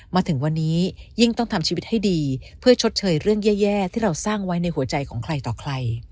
มาถึงวันนี้ยิ่งต้องทำชีวิตให้ดีเพื่อชดเชยเรื่องแย่ที่เราสร้างไว้ในหัวใจของใครต่อใคร